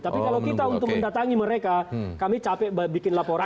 tapi kalau kita untuk mendatangi mereka kami capek bikin laporan